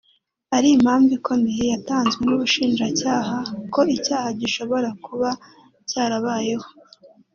ari impamvu ikomeye yatanzwe n’Ubushinjacyaha ko icyaha gishobora kuba cyarabayeho